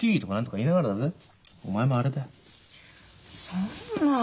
そんな。